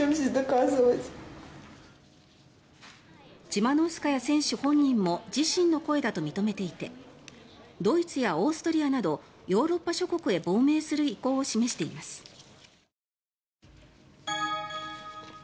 チマノウスカヤ選手本人も自身の声だと認めていてドイツやオーストリアなどヨーロッパ諸国へ亡命する意向を示しています。